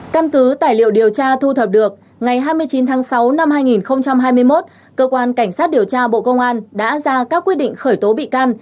căn cứ tài liệu điều tra thu thập được ngày hai mươi chín tháng sáu năm hai nghìn hai mươi một cơ quan cảnh sát điều tra bộ công an đã ra các quyết định khởi tố bị can